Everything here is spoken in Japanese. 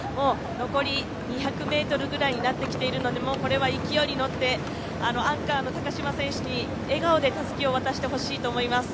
残り２００ｍぐらいになってきているのでこれは勢いに乗って、アンカーの高島選手に笑顔でたすきを渡してほしいと思います。